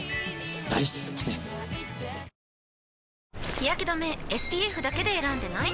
日やけ止めＳＰＦだけで選んでない？